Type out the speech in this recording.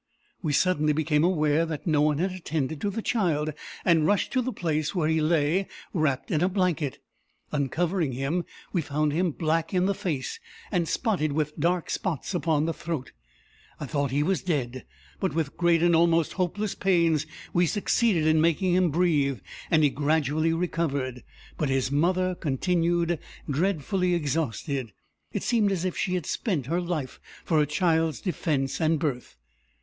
We suddenly became aware that no one had attended to the child, and rushed to the place where he lay wrapped in a blanket. Uncovering him, we found him black in the face, and spotted with dark spots upon the throat. I thought he was dead; but, with great and almost hopeless pains, we succeeded in making him breathe, and he gradually recovered. But his mother continued dreadfully exhausted. It seemed as if she had spent her life for her child's defence and birth.